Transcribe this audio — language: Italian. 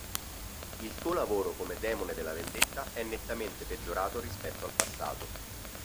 Il suo lavoro come demone della vendetta è nettamente peggiorato rispetto al passato.